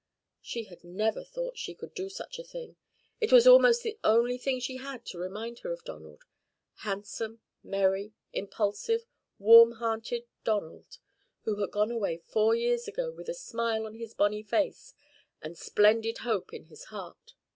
She had never thought she could do such a thing. It was almost the only thing she had to remind her of Donald handsome, merry, impulsive, warmhearted Donald, who had gone away four years ago with a smile on his bonny face and splendid hope in his heart.